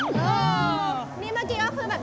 เออนี่เมื่อกี้ก็คือแบบ